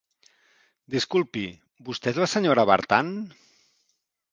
Disculpi, vostè és la senyora Vartan?